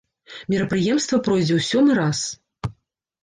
Мерапрыемства пройдзе ў сёмы раз.